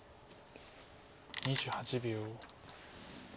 ２８秒。